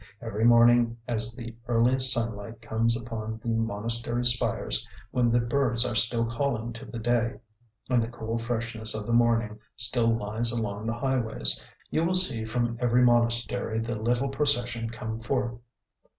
Every morning as the earliest sunlight comes upon the monastery spires, when the birds are still calling to the day, and the cool freshness of the morning still lies along the highways, you will see from every monastery the little procession come forth.